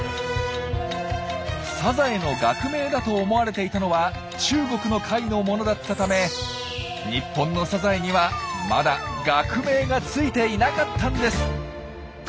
サザエの学名だと思われていたのは中国の貝のものだったため日本のサザエにはまだ学名がついていなかったんです！